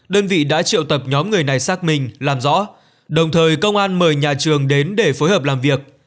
đơn vị đã triệu tập nhóm người này xác minh làm rõ đồng thời công an mời nhà trường đến để phối hợp làm việc